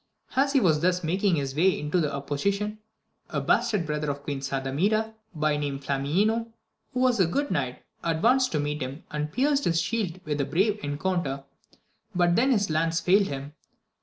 As he was thus making his way without opposition, a bastard brother of Queen Sardamira, by name Flamineo, who was a good knight, advanced to meet him, and pierced his shield with a brave encounter, but then his lance failed him.